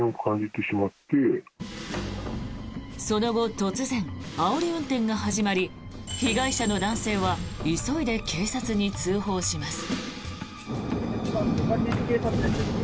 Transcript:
その後突然、あおり運転が始まり被害者の男性は急いで警察に通報します。